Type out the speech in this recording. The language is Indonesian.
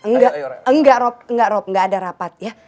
engga engga rob engga rob engga ada rapat ya